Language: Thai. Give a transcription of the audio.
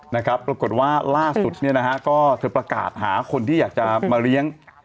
ปรากฏว่าล่าสุดก็เธอประกาศหาคนที่อยากจะมาเลี้ยง